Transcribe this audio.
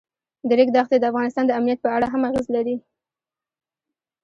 د ریګ دښتې د افغانستان د امنیت په اړه هم اغېز لري.